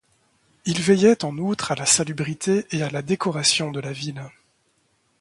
Il veillait en outre à la salubrité et à la décoration de la ville.